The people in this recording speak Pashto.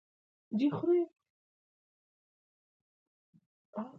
هغه ګنبده د رخ هګۍ وه.